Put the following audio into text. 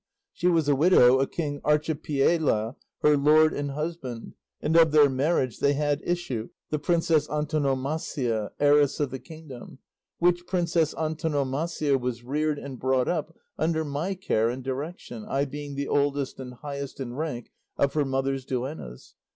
She was the widow of King Archipiela, her lord and husband, and of their marriage they had issue the Princess Antonomasia, heiress of the kingdom; which Princess Antonomasia was reared and brought up under my care and direction, I being the oldest and highest in rank of her mother's duennas.